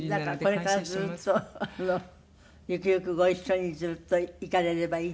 だからこれからずっとゆくゆくご一緒にずっといかれればいいっていう感じ？